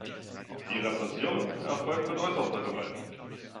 Die Repression erfolgt mit äußerster Gewalt.